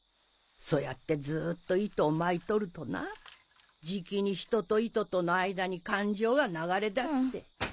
そうやってずっと糸を巻いとるとなじきに人と糸との間に感情が流れだすで。